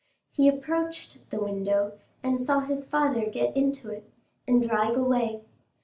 He approached the window, and saw his father get into it, and drive away.